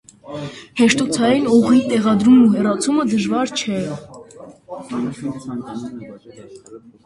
Հեշտոցային օղի տեղադրումն ու հեռացումը դժվար չէ։